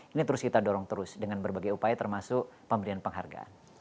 ini terus kita dorong terus dengan berbagai upaya termasuk pemberian penghargaan